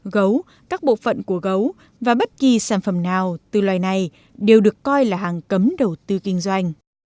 gấu các bộ phận của gấu và bất kỳ sản phẩm nào từ loài này đều được coi là hàng cấm đầu tư kinh doanh